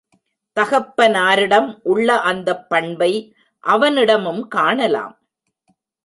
தகப்பனாரிடம் உள்ள அந்தப் பண்பை அவனிடமும் காணலாம்.